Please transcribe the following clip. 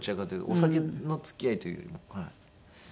お酒の付き合いというよりも。